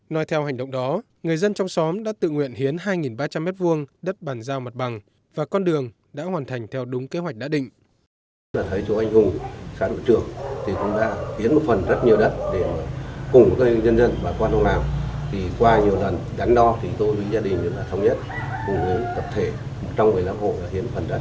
nói theo hành động đó người dân trong xóm đã tự nguyện hiến hai ba trăm linh m hai đất bàn giao mặt bằng và con đường đã hoàn thành theo đúng kế hoạch đã định